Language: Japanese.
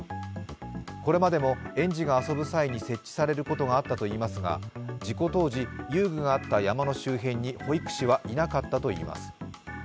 これまでも園児が遊ぶ際に設置されることがあったといいますが事故当時、遊具があった山の周辺に保育士はいなかったといいます。